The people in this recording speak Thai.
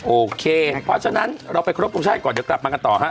โอเคเพราะฉะนั้นเราไปครบทรงชาติก่อนเดี๋ยวกลับมากันต่อฮะ